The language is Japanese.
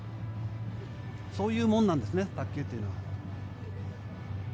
そういうもんなんですね卓球というのは。